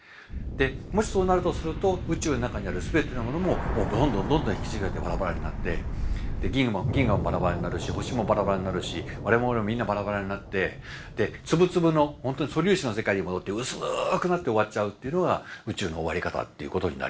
もしそうなるとすると宇宙の中にある全てのものもどんどんどんどん引きちぎられてバラバラになって銀河もバラバラになるし星もバラバラになるし我々もみんなバラバラになって粒々の素粒子の世界に戻って薄くなって終わっちゃうっていうのが宇宙の終わり方っていうことになります。